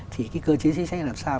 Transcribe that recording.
thì cái cơ chế chính sách là làm sao